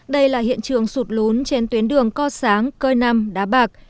đây là hiện trường sụt lún trên tuyến đường co sáng cơi năm đá bạc